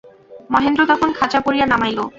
মহেন্দ্র তখন খাঁচা পাড়িয়া নামাইল।